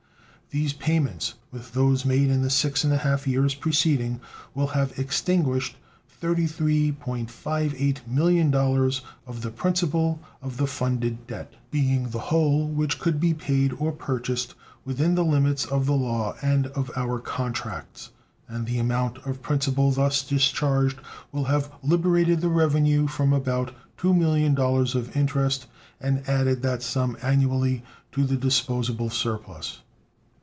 These payments, with those made in the six and a half years preceding, will have extinguished $33.58 millions of the principal of the funded debt, being the whole which could be paid or purchased within the limits of the law and of our contracts, and the amount of principal thus discharged will have liberated the revenue from about $2 millions of interest and added that sum annually to the disposable surplus.